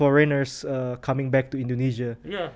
orang asing kembali ke indonesia